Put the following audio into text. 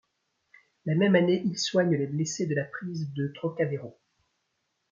La même année, il soigne les blessés de la prise de Trocadéro.